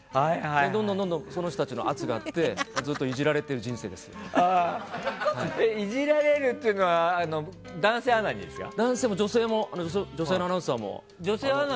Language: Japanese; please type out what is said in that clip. どんどんその人たちの圧があってイジられるというのは男性も女性のアナウンサーにも。